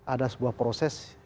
ada sebuah proses